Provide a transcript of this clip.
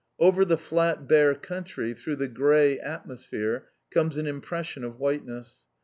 Over the flat bare country, through the grey atmosphere comes an impression of whiteness.